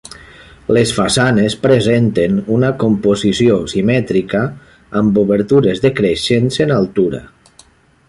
Les façanes presenten una composició simètrica, amb obertures decreixents en altura.